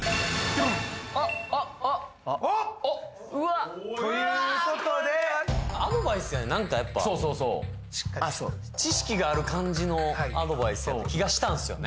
あっあっあっおっということでなんかやっぱそうそうそう知識がある感じのアドバイスやった気がしたんですよね